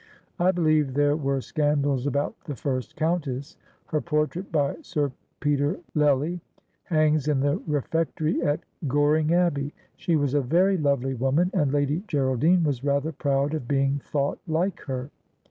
I believe there were scandals about the first countess. Her portrait by Sir Peter Lely hangs in the refectory at Goring Abbey. She was a very lovely woman, and Lady Geraldine was rather proud of being thought like her.'